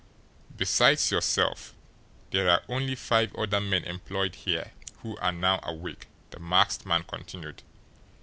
"Besides yourself there are only five other men employed here who are now awake," the masked man continued.